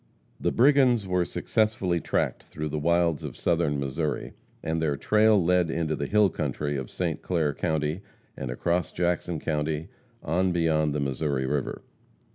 The brigands were successfully tracked through the wilds of southern Missouri, and their trail led into the hill country of St. Clair county, and across Jackson county on beyond the Missouri river.